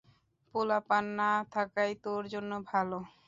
পুলাপান না-থাকাই তোর জন্য ভােলা।